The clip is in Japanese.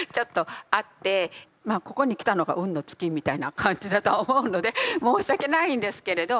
まあここに来たのが運の尽きみたいな感じだとは思うので申し訳ないんですけれど。